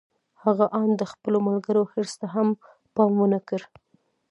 هغه آن د خپلو ملګرو حرص ته هم پام و نه کړ.